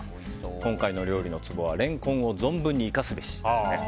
今回の料理のツボはレンコンを存分に活かすべし。